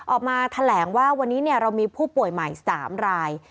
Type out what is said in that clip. ออกมาแถลงว่าวันนี้เรามีผู้ป่วยใหม่๓ราย